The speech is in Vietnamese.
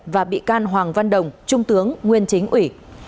và bị can hoàng văn đồng trung tướng nguyên chính ủy